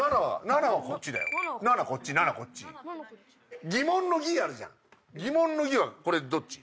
七はこっちだよ七こっち七こっち疑問の「疑」あるじゃん疑問の「疑」はこれどっち？